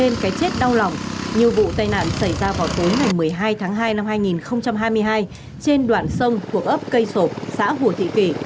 những vụ tài nạn xảy ra vào tối một mươi hai tháng hai năm hai nghìn hai mươi hai trên đoạn sông của ấp cây sổ xã hùa thị kỷ